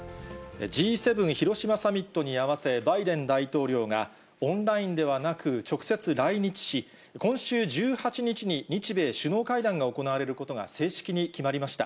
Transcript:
Ｇ７広島サミットに合わせ、バイデン大統領がオンラインではなく、直接来日し、今週１８日に日米首脳会談が行われることが正式に決まりました。